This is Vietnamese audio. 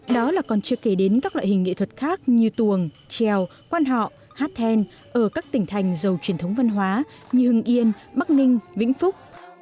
đó là còn chưa kể đến các loại hình nghệ thuật khác như tuồng trèo quan họ hát then ở các tỉnh thành giàu truyền thống văn hóa như hưng yên bắc ninh vĩnh phúc